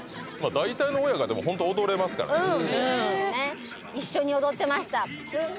大体の親がでもホント踊れますからね一緒に踊ってました